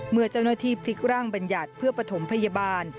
เมื่อเจ้าหน้าที่พลิกร่างบรรยัติเพื่อปฐมพยาบาล